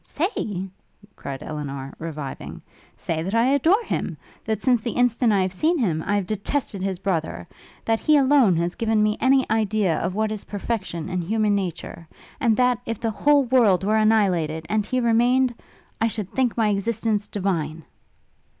'Say?' cried Elinor, reviving, 'say that I adore him! That since the instant I have seen him, I have detested his brother; that he alone has given me any idea of what is perfection in human nature! And that, if the whole world were annihilated, and he remained ... I should think my existence divine!'